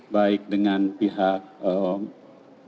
baik dengan pihak bum